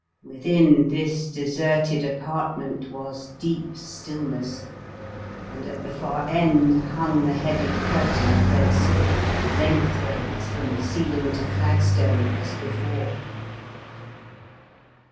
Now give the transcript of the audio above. Within this de serted apartment was deep stillness, and at the far end hung the heavy cur tain of red silk, lengthways, from ceil ing to flagstone as before.